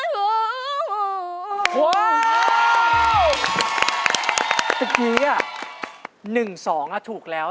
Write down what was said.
สักคราว๑๒อ่ะถูกแล้ว